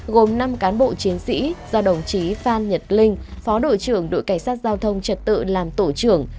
gồm năm cán bộ chiến sĩ do đồng chí phan nhật linh phó đội trưởng đội cảnh sát giao thông trật tự làm tổ trưởng